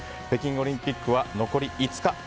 北京オリンピックは残り５日。